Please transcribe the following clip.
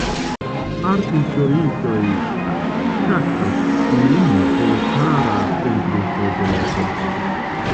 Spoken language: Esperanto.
Art-historiistoj taksas lin elstara pentristo de la epoko.